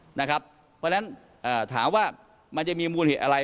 เพราะฉะนั้นถามว่ามันจะมีมูลเหตุอะไร